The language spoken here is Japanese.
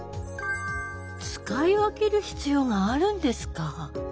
使い分ける必要があるんですか？